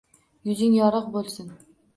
Yuzing yorug’ bo’lsin –